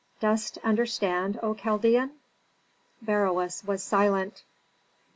Dost understand, O Chaldean?" Beroes was silent.